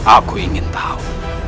aku ingin tahu